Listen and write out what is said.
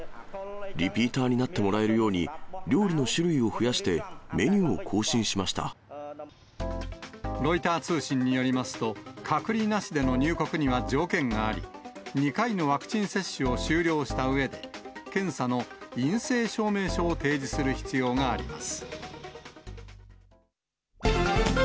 リピーターになってもらえるように料理の種類を増やして、メニュロイター通信によりますと、隔離なしでの入国には条件があり、２回のワクチン接種を終了したうえで、検査の陰性証明書を提示する必要があります。